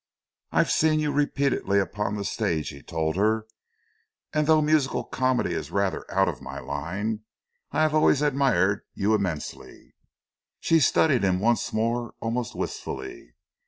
"I've seen you repeatedly upon the stage," he told her, "and, though musical comedy is rather out of my line, I have always admired you immensely." She studied him once more almost wistfully.